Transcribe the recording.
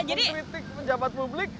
mengkritik jabat publik